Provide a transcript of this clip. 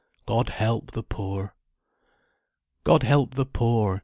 God help the poor! God help the poor!